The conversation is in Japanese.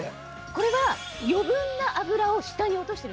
これが余分な油を下に落としてるんです。